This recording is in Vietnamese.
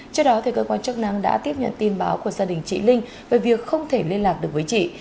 trước đó cơ quan chức năng đã tiếp nhận tin báo của gia đình chị linh về việc không thể liên lạc được với chị